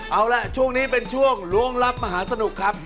เอาล่ะช่วงนี้เป็นช่วงล้วงลับมหาสนุกครับ